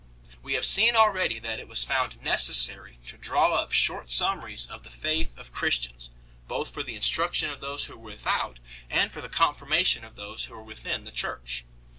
We have seen already 3 that it was found necessary to draw up short summaries of the faith of Christians, both for the instruction of those who were without and for the confirmation of those who were within the Church.